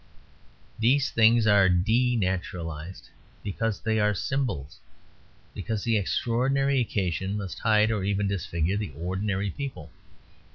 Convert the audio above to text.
These things are denaturalised because they are symbols; because the extraordinary occasion must hide or even disfigure the ordinary people.